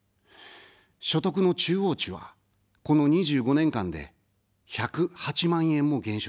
所得の中央値は、この２５年間で１０８万円も減少しました。